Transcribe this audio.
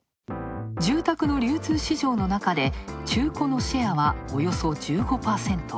住宅の流通市場の中で中古のシェアはおよそ１５％。